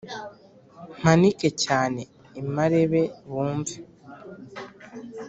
Mpanike cyane i Marebe bumve